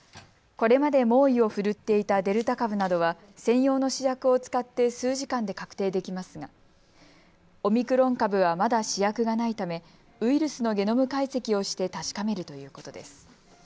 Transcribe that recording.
これまで猛威を振るっていたデルタ株などは専用の試薬を使って数時間で確定できますがオミクロン株はまだ試薬がないためウイルスのゲノム解析をして確かめるということです。